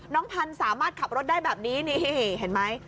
พันธุ์สามารถขับรถได้แบบนี้นี่เห็นไหม